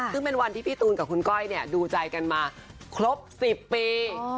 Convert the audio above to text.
ซึ่งเป็นวันที่พี่ตูนกับคุณก้อยดูใจกันมาครบ๑๐ปี